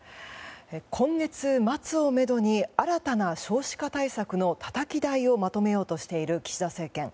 今月末をめどに新たな少子化対策のたたき台をまとめようとしている岸田政権。